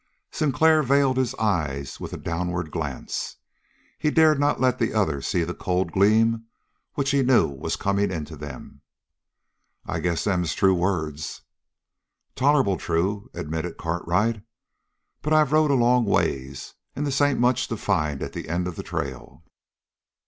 Sinclair veiled his eyes with a downward glance. He dared not let the other see the cold gleam which he knew was coming into them. "I guess them's true words." "Tolerable true," admitted Cartwright. "But I've rode a long ways, and this ain't much to find at the end of the trail."